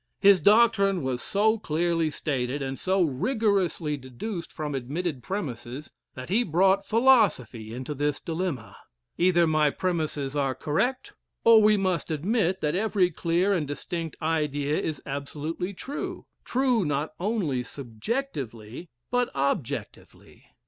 His doctrine was so clearly stated, and so rigorously deduced from admitted premises, that he brought philosophy into this dilemma: "'Either my premises are correct; and we must admit that every clear and distinct idea is absolutely true; true not only subjectively, but objectively.